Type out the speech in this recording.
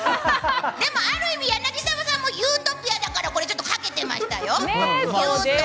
でも、ある意味、柳澤さんもユートピアだからかけてましたよ。